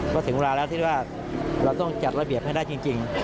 ก็ถึงเวลาแล้วที่ว่าเราต้องจัดระเบียบให้ได้จริง